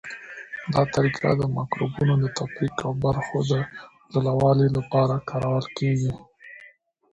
دا طریقه د مکروبونو د تفریق او برخو د جلاوالي لپاره کارول کیږي.